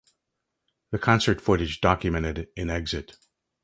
The concert footage documented in Exit...